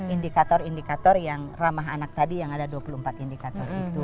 indikator indikator yang ramah anak tadi yang ada dua puluh empat indikator itu